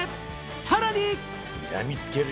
さらに！